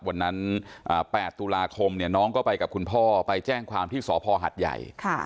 วันนั้น๘ตุลาคมน้องก็ไปกับคุณพ่อไปแจ้งความที่สพหัดใหญ่